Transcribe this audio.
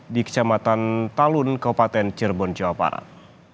di kecamatan talun kabupaten cirebon jawa barat